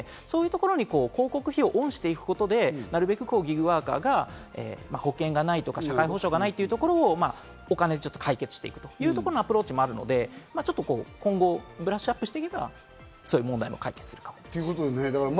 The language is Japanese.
そこが問題視されてるいるので広告費用をオンしていくことでなるべくギグワーカーが保険がないとか、社会保障がないというところをお金でちょっと解決していくというアプローチもあるので、今後ブラッシュアップしていけばそういう問題も解決していかなと。